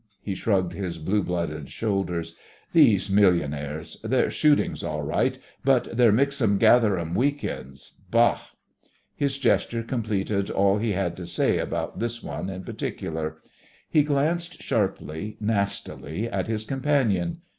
He shrugged his blue blooded shoulders. "These millionaires! Their shooting's all right, but their mixum gatherum week ends bah!" His gesture completed all he had to say about this one in particular. He glanced sharply, nastily, at his companion.